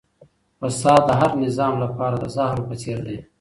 فساد د هر نظام لپاره د زهرو په څېر دی.